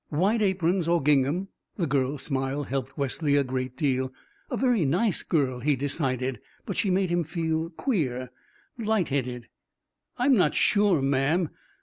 "White aprons or gingham?" The girl's smile helped Wesley a great deal. A very nice girl, he decided; but she made him feel queer, light headed. "I'm not sure, ma'am.